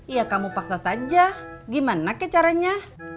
ya kamu paksa saja gimana ke caranya